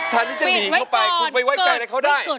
ทันที่จะหนีเข้าไปคุณไปไว้ใจอะไรเขาได้